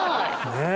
ねえ。